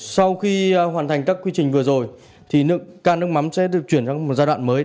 sau khi hoàn thành các quy trình vừa rồi thì can nước mắm sẽ được chuyển sang một giai đoạn mới